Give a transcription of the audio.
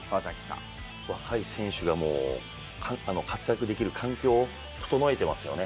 若い選手が活躍できる環境を整えてますよね。